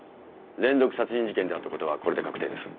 連続殺人事件であったことはこれで確定です。